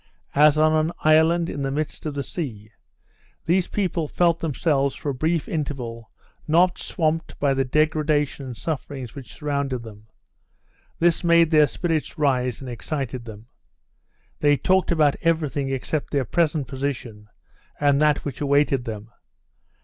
As on an island in the midst of the sea, these people felt themselves for a brief interval not swamped by the degradation and sufferings which surrounded them; this made their spirits rise, and excited them. They talked about everything except their present position and that which awaited them.